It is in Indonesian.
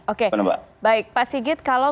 oke baik pak sigit kalau